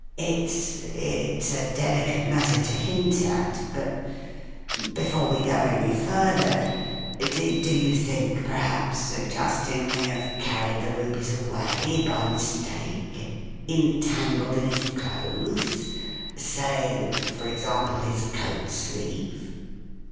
It's—it's a delicate matter to hint at; but before we go any further—do you think, perhaps, Sir Justin may have carried the rubies away by mistake, entangled in his clothes ?—say, for example, his coat sleeve